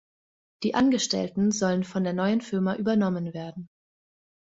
Die Angestellten sollen von der neuen Firma übernommen werden.